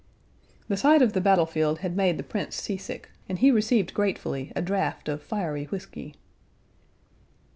The sight of the battle field had made the Prince seasick, and he received gratefully a draft of fiery whisky.